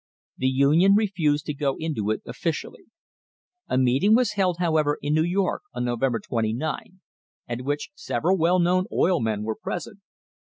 The Union refused to go into it officially. A meeting was held, however, in New York on November 29, at which several well known oil men were present.